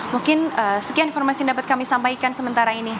mungkin sekian informasi yang dapat kami sampaikan sementara ini